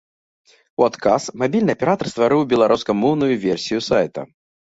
У адказ мабільны аператар стварыў беларускамоўную версію сайта.